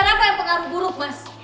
kenapa yang pengaruh buruk mas